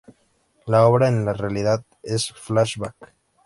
La obra es en realidad un flash-back.